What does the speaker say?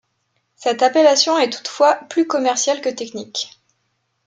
Cette appellation est toutefois plus commerciale que technique.